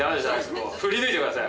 もう振り抜いてください